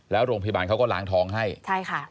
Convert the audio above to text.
แล้วโรงพยาบาลเขาก็ล้างท้องให้ใช่ค่ะ